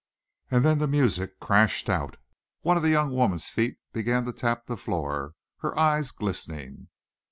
And then the music crashed out. One of the young woman's feet began to tap the floor, her eyes glistening.